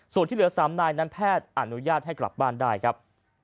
ส่วนที่เหลือ๓นายนั้นแพทย์อนุญาตให้กลับบ้านได้ครับ